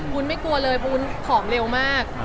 ไม่กลัวเลยวุ้นผอมเร็วมาก